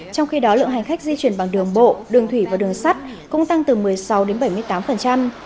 trong khi đó lượng hành khách di chuyển bằng đường bộ đường thủy và đường sắt cũng tăng từ một mươi sáu đến bảy mươi tám